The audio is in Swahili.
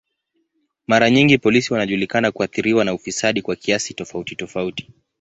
Mara nyingi polisi wanajulikana kuathiriwa na ufisadi kwa kiasi tofauti tofauti.